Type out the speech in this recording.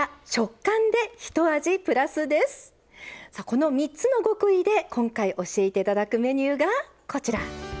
この３つの極意で今回教えて頂くメニューがこちら。